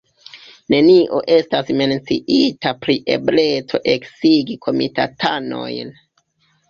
Nenio estas menciita pri ebleco eksigi komitatanojn.